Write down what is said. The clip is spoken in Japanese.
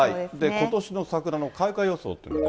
ことしの桜の開花予想というのが。